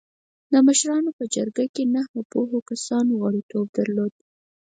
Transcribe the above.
د مشرانو په جرګه کې نهه پوهو کسانو غړیتوب درلوده.